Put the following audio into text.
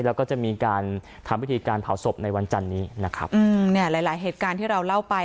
แล้วก็จะมีการทำพิธีการเผาศพในวันจันนี้นะครับอืมเนี่ยหลายหลายเหตุการณ์ที่เราเล่าไป